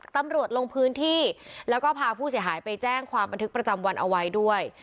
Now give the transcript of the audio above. ตำรวจลงพื้นที่แล้วก็พาผู้เสียหายไปแจ้งความบันทึกประจำวันเอาไว้ด้วย